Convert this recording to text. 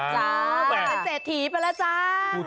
จ้าเป็นเศรษฐีไปแล้วจ้า